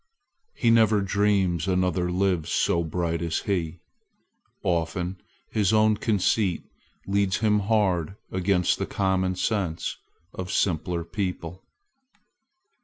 He never dreams another lives so bright as he. Often his own conceit leads him hard against the common sense of simpler people.